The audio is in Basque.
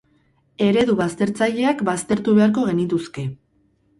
Eredu baztertzaileak baztertu beharko genituzke.